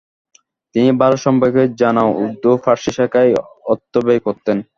তিনি ভারত সম্পর্কে জানা, উর্দু, ফার্সি শেখায় অর্থব্যয় করতেন।